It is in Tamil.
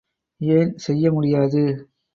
ஏன் செய்ய முடியாது?